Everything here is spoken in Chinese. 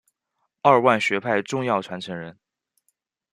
二万学派重要传承人。